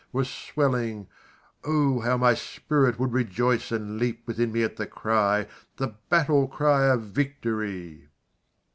was swelling (O! how my spirit would rejoice, And leap within me at the cry) The battle cry of Victory!